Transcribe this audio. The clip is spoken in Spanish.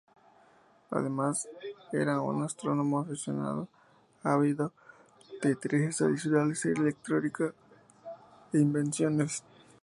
Además, era un astrónomo aficionado ávido de intereses adicionales en electrónica e invenciones.